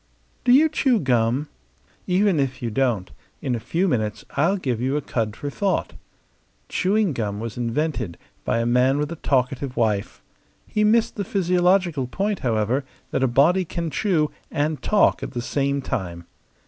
Do you chew gum? Even if you don't, in a few minutes I'll give you a cud for thought. Chewing gum was invented by a man with a talkative wife. He missed the physiological point, however, that a body can chew and talk at the same time.